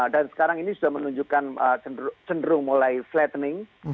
dan sekarang ini sudah menunjukkan cenderung mulai flattening